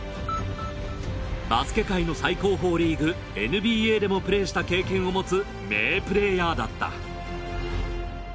バスケ界の最高峰リーグＮＢＡでもプレーした経験を持つ名プレーヤーだった。